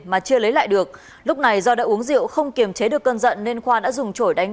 mà chưa lấy lại được lúc này do đã uống rượu không kiềm chế được cơn giận nên khoa đã dùng trổi đánh